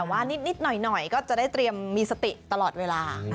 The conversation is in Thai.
แต่ว่านิดหน่อยก็จะได้เตรียมมีสติตลอดเวลา